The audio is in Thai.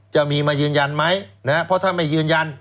จะมีมายืนยันไหมนะเพราะถ้าไม่ยืนยัน